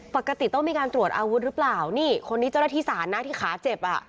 ปกติต้องมีการตรวจอาวุธหรือเปล่านี่คนนี้เจ้าหน้าที่ศาลนะที่ขาเจ็บอ่ะ